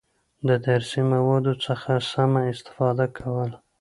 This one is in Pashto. د درسي موادو څخه سمه استفاده کول،